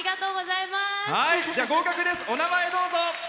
お名前、どうぞ。